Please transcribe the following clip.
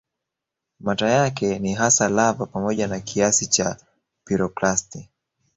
Mata yake ni hasa lava pamoja na kiasi cha piroklasti